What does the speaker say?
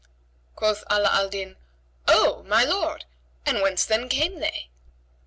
Quoth Ala al Din, "O my lord and whence then came they?"